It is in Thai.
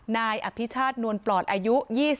นายอภิชาตินวลปลอดอายุ๒๕